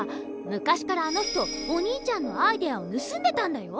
昔からあの人お兄ちゃんのアイデアをぬすんでたんだよ。